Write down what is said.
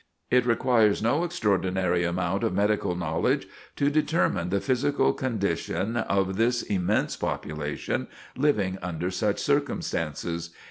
It requires no extraordinary amount of medical knowledge to determine the physical condition of this immense population, living under such circumstances.